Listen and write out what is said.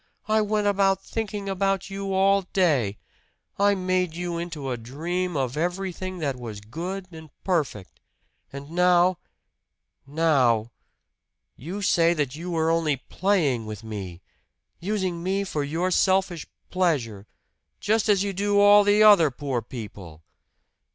I went about thinking about you all day I made you into a dream of everything that was good and perfect! And now now you say that you were only playing with me! Using me for your selfish pleasure just as you do all the other poor people!"